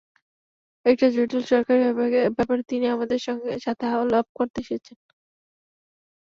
একটা জটিল সরকারি ব্যাপারে তিনি আমাদের সাথে আলাপ করতে এসেছেন।